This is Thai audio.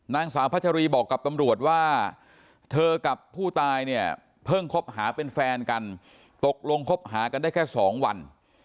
นางสาวพัชรีบอกกับตำรวจว่าเธอกับผู้ตายเนี่ยเพิ่งคบหาเป็นแฟนกันตกลงคบหากันได้แค่๒วัน